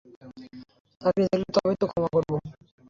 চাকরি থাকলে তবেই তো ক্ষমা করবো।